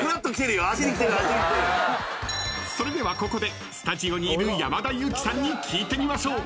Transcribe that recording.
［それではここでスタジオにいる山田裕貴さんに聞いてみましょう］